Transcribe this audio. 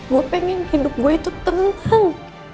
gue pengen hidup gue itu tenang